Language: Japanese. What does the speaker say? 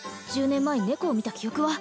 １０年前猫を見た記憶は？